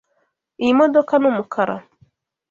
Iyi modoka ni umukara.